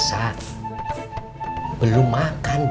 mayu belom dapet